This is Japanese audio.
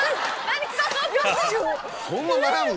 そんな悩む？